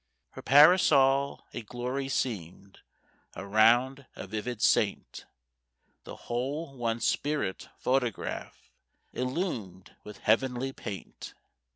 Her parasol a glory seemed Around a vivid saint, The whole one spirit photograph Illumed with heavenly paint.